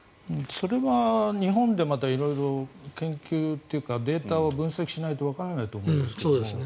それは日本でまた、色々研究とかデータを分析しないとわからないと思うんですね。